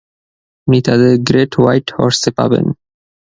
আপনি তাদের great white হর্সে পাবেন.